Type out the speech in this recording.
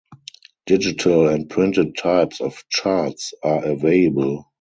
Digital and printed types of charts are available.